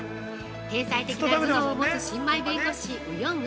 天才的な頭脳を持つ新米弁護士ウ・ヨンウ。